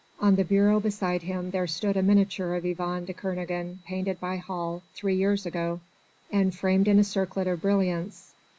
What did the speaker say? On the bureau beside him there stood a miniature of Yvonne de Kernogan painted by Hall three years ago, and framed in a circlet of brilliants.